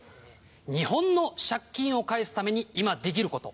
日本の借金を返すために今できること。